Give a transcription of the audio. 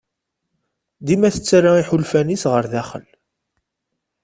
Dima tettarra iḥulfan-is ɣer daxel.